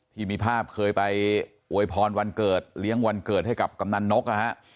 ที่มีภาพเคยไปอวยพรวันเกิดเลี้ยงวันเกิดให้กับกำนันนกนะฮะ